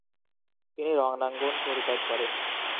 তিনি রণাঙ্গন পরিত্যাগ করেন।